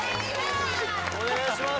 お願いします